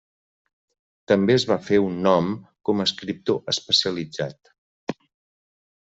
També es va fer un nom com a escriptor especialitzat.